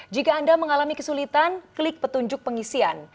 jika anda mengalami kesulitan klik petunjuk pengisian